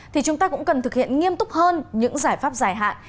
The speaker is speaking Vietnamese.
thì chúng ta cũng cần thực hiện nghiêm túc hơn những giải pháp dài hạn